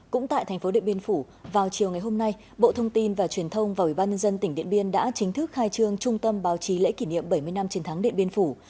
cũng tại thành phố điện biên phủ vào chiều ngày hôm nay bộ thông tin và truyền thông và ủy ban nhân dân tỉnh điện biên đã chính thức khai trương trung tâm báo chí lễ kỷ niệm bảy mươi năm chiến thắng điện biên phủ